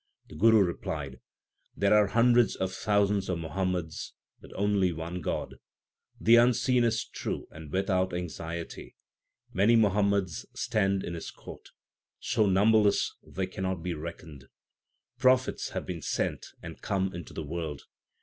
The Guru replied : There are hundreds of thousands of Muhammads, but only one God. The Unseen is true and without anxiety. Many Muhammads stand in His court. So numberless they cannot be reckoned. Prophets have been sent and come into the world.